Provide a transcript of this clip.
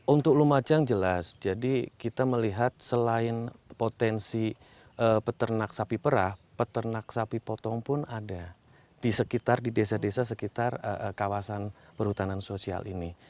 untuk lumajang jelas jadi kita melihat selain potensi peternak sapi perah peternak sapi potong pun ada di sekitar di desa desa sekitar kawasan perhutanan sosial ini